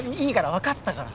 わかったから。